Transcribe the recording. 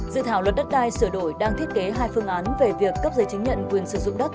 dự thảo luật đất đai sửa đổi đang thiết kế hai phương án về việc cấp giấy chứng nhận quyền sử dụng đất